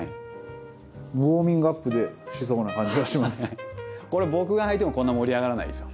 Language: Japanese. これ僕がはいてもこんな盛り上がらないですよ。